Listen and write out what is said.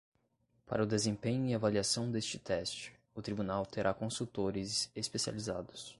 Para o desempenho e avaliação deste teste, o Tribunal terá consultores especializados.